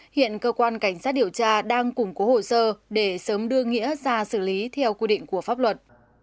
hiện cơ quan cảnh sát điều tra đang củng cố hồ sơ để sớm đưa nghĩa ra xử lý theo quy định của pháp luật